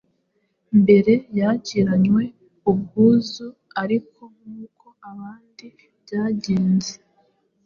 Mbere yakiranywe ubwuzu; ariko nk’uko n’ahandi byagenze,